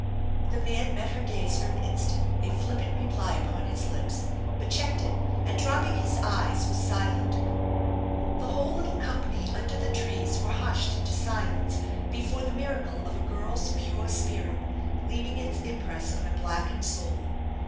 The man met her gaze for an instant, a flippant reply upon his lips, but checked it and dropping his eyes, was silent. The whole little company under the trees were hushed into silence before the miracle of a girl's pure spirit, leaving its impress on a blackened soul.